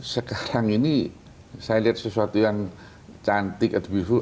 sekarang ini saya lihat sesuatu yang cantik at beeful